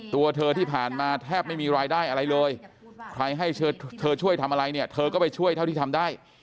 ตัวเธอที่ผ่านมาแทบไม่มีรายได้อะไรเลยใครให้เธอช่วยทำอะไรเนี่ยเธอก็ไปช่วยเท่าที่ทำได้